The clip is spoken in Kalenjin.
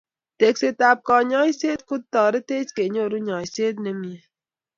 Tekset ab kanyoiset kotoritech kenyoru nyoiset nemie